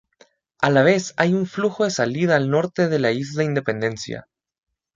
A la vez hay un flujo de salida al norte de la isla Independencia.